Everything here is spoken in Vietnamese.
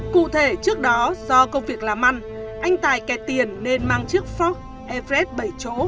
cụ thể trước đó do công việc làm ăn anh tài kẹt tiền nên mang chiếc fox evret bảy chỗ